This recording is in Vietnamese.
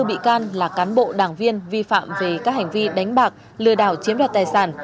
năm mươi bốn bị can là cán bộ đảng viên vi phạm về các hành vi đánh bạc lừa đảo chiếm đoạt tài sản